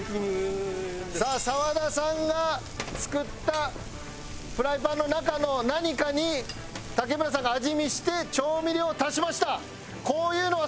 さあ澤田さんが作ったフライパンの中の何かに竹村さんが味見して調味料を足しました。